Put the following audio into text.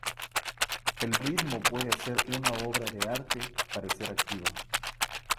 El ritmo puede hacer una obra de arte parecer activa.